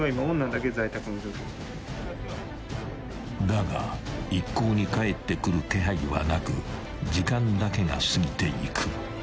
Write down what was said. ［だが一向に帰ってくる気配はなく時間だけが過ぎていく］